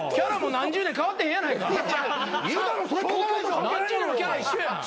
何十年もキャラ一緒やん。